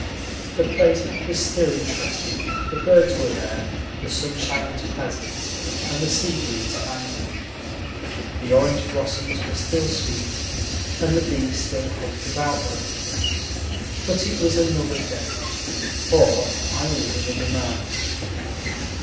The place was still interesting, the birds were there, the sunshine was pleasant, and the sea breeze fanned me. The orange blossoms were still sweet, and the bees still hummed about them; but it was another day, or I was another man.